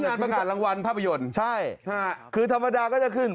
ประกาศรางวัลภาพยนตร์ใช่ค่ะคือธรรมดาก็จะขึ้น